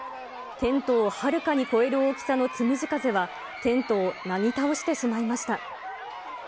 テントをはるかに超える大きさのつむじ風はテントをなぎ倒してしまいました。